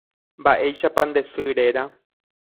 Mba'éichapa nde sy réra.